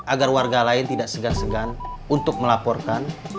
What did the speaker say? agar warga lain tidak segan segan untuk melaporkan